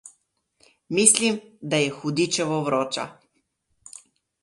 Mislim, da je hudičevo vroča.